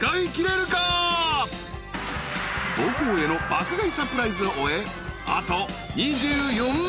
［母校への爆買いサプライズを終え］